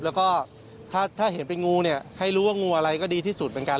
แล้วก็ถ้าเห็นเป็นงูเนี่ยให้รู้ว่างูอะไรก็ดีที่สุดเหมือนกัน